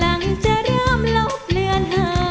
ร้องได้ให้ร้าง